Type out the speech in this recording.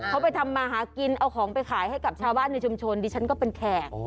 เขาไปทำมาหากินเอาของไปขายให้กับชาวบ้านในชุมชนดิฉันก็เป็นแขก